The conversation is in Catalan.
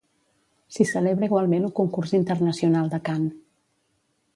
S'hi celebra igualment un concurs internacional de cant.